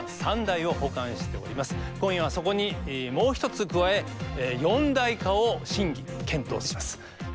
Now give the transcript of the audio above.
今夜はそこにもう一つ加え四大化を審議・検討します。